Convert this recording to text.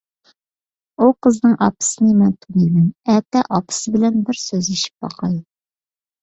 ئۇ قىزنىڭ ئاپىسىنى مەن تونۇيمەن، ئەتە ئاپىسى بىلەن بىر سۆزلىشىپ باقاي.